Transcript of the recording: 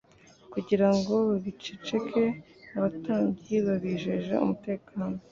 Kugira ngo babiceceke, abatambyi babijeje umutekano